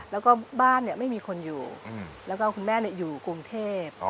แล้วก็บ้านไม่มีคนอยู่แล้วก็คุณแม่อยู่กรุงเทพ